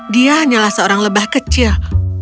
dia hanyalah seorang lebah kecil